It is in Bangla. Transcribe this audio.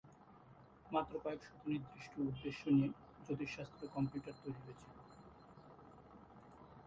মাত্র কয়েক শত নির্দিষ্ট উদ্দেশ্য নিয়ে জ্যোতিষশাস্ত্র কম্পিউটার তৈরী হয়েছিল।